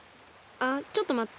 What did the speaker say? あっちょっとまって。